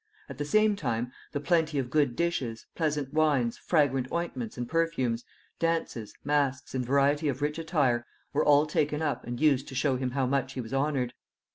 At the same time, the plenty of good dishes, pleasant wines, fragrant ointments and perfumes, dances, masks, and variety of rich attire, were all taken up and used to show him how much he was honored.